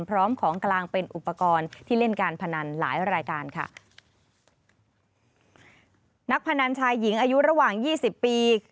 พร้อมของกลางเป็นอุปกรณ์ที่เล่นการพนันหลายรายการค่ะนักพนันชายหญิงอายุระหว่างยี่สิบปี